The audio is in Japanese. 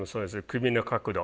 首の角度。